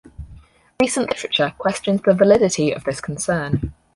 Recent literature questions the validity of this concern.